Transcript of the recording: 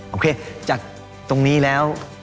โอเคจากตรงนี้แล้ว